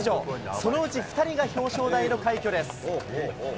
そのうち２人が表彰台の快挙です。